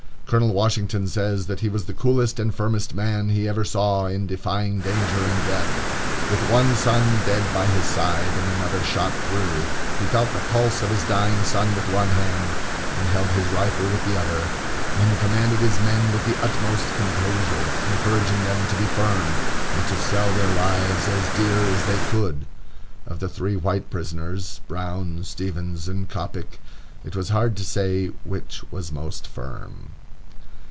Colonel Washington says that he was the coolest and firmest man he ever saw in defying danger and death. With one son dead by his side, and another shot through, he felt the pulse of his dying son with one hand, and held his rifle with the other, and commanded his men with the utmost composure, encouraging them to be firm, and to sell their lives as dear as they could. Of the three white prisoners, Brown, Stephens, and Coppoc, it was hard to say which was most firm...."